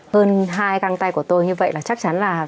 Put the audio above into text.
hơn hai găng tay của tôi như vậy là chắc chắn là